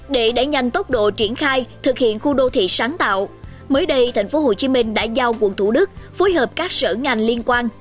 để đẩy nhanh tốc độ triển khai thực hiện khu đô thị sáng tạo mới đây tp hcm đã giao quận thủ đức phối hợp các sở ngành liên quan